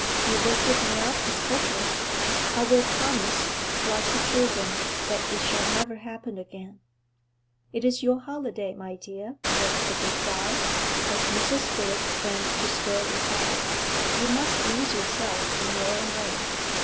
'You will give me up as hopeless; I will promise, like the children, that it shall never happen again.' 'It is your holiday, my dear,' was the reply, as Mrs. Hood went to stir the fire. 'You must amuse yourself in your own way.'